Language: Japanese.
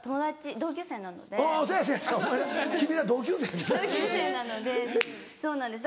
同級生なのでそうなんです